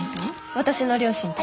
私の両親と。